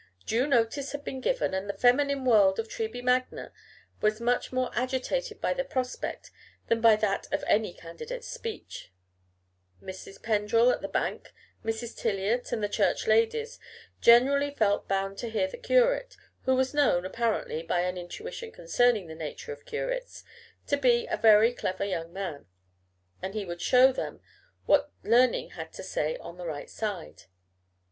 Due notice had been given, and the feminine world of Treby Magna was much more agitated by the prospect than by that of any candidate's speech. Mrs. Pendrell at the Bank, Mrs. Tiliot, and the Church ladies generally felt bound to hear the curate, who was known, apparently by an intuition concerning the nature of curates, to be a very clever young man; and he would show them what learning had to say on the right side.